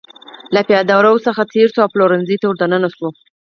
له پېاده رو څخه تېره شوه او پلورنځي ته ور دننه شوه.